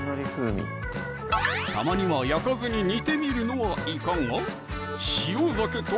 たまには焼かずに煮てみるのはいかが？